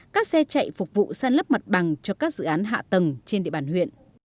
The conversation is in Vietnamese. các xe chạy phục vụ san lấp mặt bằng cho các dự án hạ tầng trên địa bàn huyện